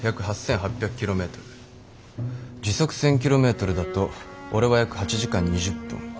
時速１，０００キロメートルだと俺は約８時間２０分。